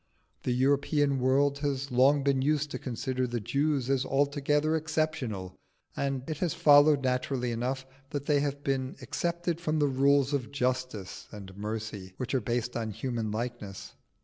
The European world has long been used to consider the Jews as altogether exceptional, and it has followed naturally enough that they have been excepted from the rules of justice and mercy, which are based on human likeness.